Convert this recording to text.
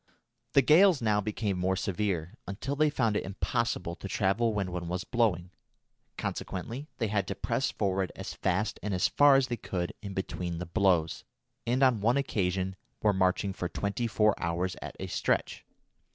The gales now became more severe, until they found it impossible to travel when one was blowing. Consequently they had to press forward as fast and as far as they could in between the blows, and on one occasion were marching for twenty four hours at a stretch.